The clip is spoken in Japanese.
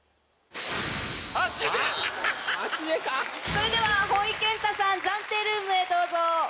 ⁉それではほいけんたさん暫定ルームへどうぞ。